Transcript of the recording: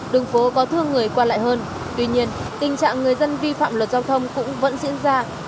đường phố có thương người qua lại hơn tuy nhiên tình trạng người dân vi phạm luật giao thông cũng vẫn diễn ra